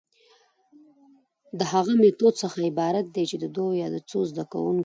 د هغه ميتود څخه عبارت دي چي د دوو يا څو زده کوونکو،